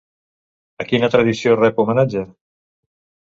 A quina tradició rep homenatge?